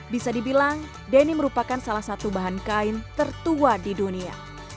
bisa dibilang denny merupakan salah satu bahan kain tertua di dunia